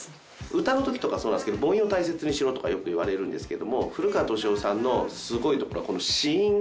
歌の時とかそうなんですけど母音を大切にしろとかよく言われるんですけども古川登志夫さんのスゴいところは子音。